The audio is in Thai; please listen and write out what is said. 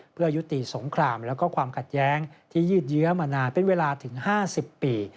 เพื่อยุติสงครามและความขัดแย้งที่ยืดเยื้อมานานเป็นเวลาถึง๕๐ปี